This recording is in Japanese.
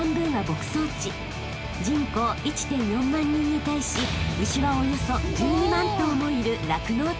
［人口１．４万人に対し牛はおよそ１２万頭もいる酪農大国］